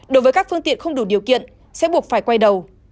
đối với các phương tiện không đủ điều kiện sẽ buộc phải quay đầu